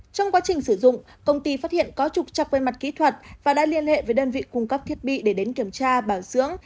trong quá trình sử dụng công ty phát hiện có trục trặc về mặt kỹ thuật và đã liên hệ với đơn vị cung cấp thiết bị để đến kiểm tra bảo dưỡng